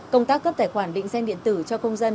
công tác cấp tài khoản định danh điện tử cho công dân